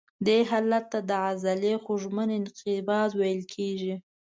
دې حالت ته د عضلې خوږمن انقباض ویل کېږي.